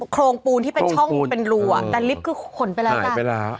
โครงปูนที่เป็นช่องเป็นรูอ่ะแต่ลิฟต์คือขนไปแล้วอ่ะ